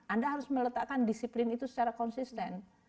anda harus meletakkan disiplin itu secara konsisten